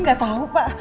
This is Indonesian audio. saya gak tau pak